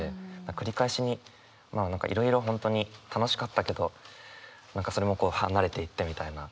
「繰り返し」にいろいろ本当に楽しかったけど何かそれも離れていったみたいな。